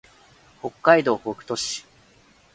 北海道北斗市